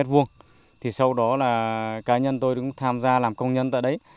thì sau đó là cá nhân tôi cũng tham gia làm công nhân tại đấy